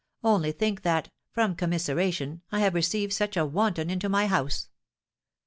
Only think that, from commiseration, I have received such a wanton into my house!'